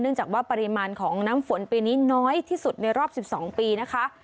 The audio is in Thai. จากว่าปริมาณของน้ำฝนปีนี้น้อยที่สุดในรอบ๑๒ปีนะคะ